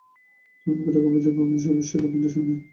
তবে বাকি টাকা কবে বুঝে পাবেন, সে বিষয়ে কোনো নির্দেশনা নেই।